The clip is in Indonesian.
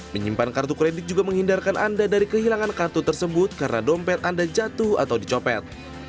menyimpan kartu kredit juga menghindarkan anda dari kehilangan kartu tersebut karena dompet anda jatuh atau dicopet